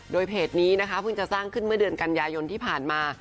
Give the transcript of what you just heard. โดยเพจนี้นะคะเพิ่งจะสร้างขึ้นเมื่อเดือนกันยายนที่ผ่านมา